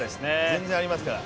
全然ありますから。